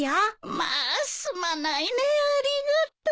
まあすまないねえありがとう。